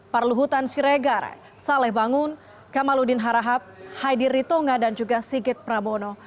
parluhutan siregara saleh bangun kamaludin harahap haidiri tonga dan juga sigit prabono